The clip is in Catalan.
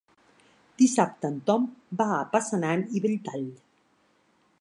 Dissabte en Ton va a Passanant i Belltall.